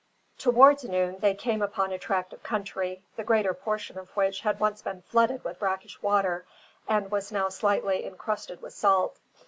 Towards noon they came upon a tract of country, the greater portion of which had once been flooded with brackish water, and was now slightly incrusted with salt.